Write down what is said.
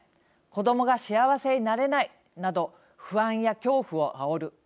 子どもが幸せになれないなど不安や恐怖をあおる。